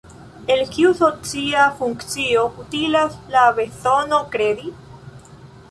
Al kiu socia funkcio utilas la bezono kredi?